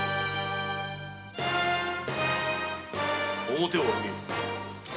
面を上げよ。